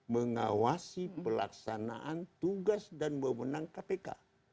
mengawasi pelaksanaan tugas dan memenang kpk